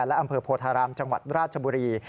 และอำเภอโพธารามจังหวัดราชบุรี